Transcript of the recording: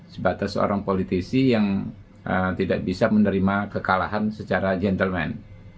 sebatas seorang politisi yang tidak bisa menerima kekalahan secara gentleman